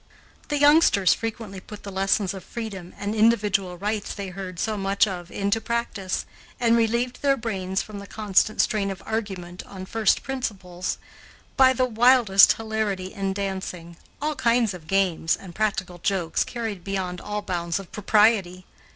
The youngsters frequently put the lessons of freedom and individual rights they heard so much of into practice, and relieved their brains from the constant strain of argument on first principles, by the wildest hilarity in dancing, all kinds of games, and practical jokes carried beyond all bounds of propriety.